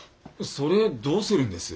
それどうするんです？